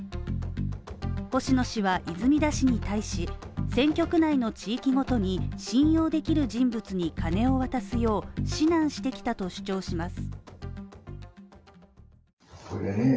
星野氏は泉田氏に対し、選挙区内の地域ごとに信用できる人物に金を渡すよう指南してきたと主張します。